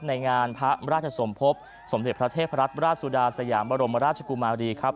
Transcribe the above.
ในงานพระราชสมภพสมเด็จพระเทพรัตนราชสุดาสยามบรมราชกุมารีครับ